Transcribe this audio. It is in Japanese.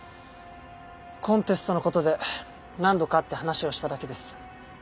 コンテストの事で何度か会って話をしただけです。